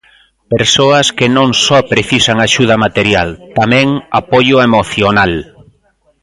Persoas que non só precisan axuda material, tamén apoio emocional.